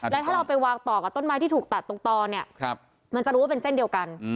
แล้วถ้าเราไปวางต่อกับต้นไม้ที่ถูกตัดตรงต่อเนี่ยมันจะรู้ว่าเป็นเส้นเดียวกัน